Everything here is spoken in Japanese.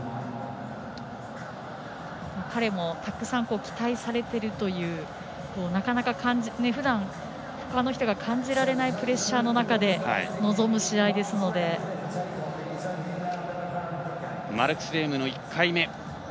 彼もたくさん期待されているというなかなか、ふだんほかの人が感じられないプレッシャーの中でマルクス・レームの１回目。